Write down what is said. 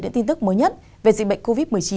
những tin tức mới nhất về dịch bệnh covid một mươi chín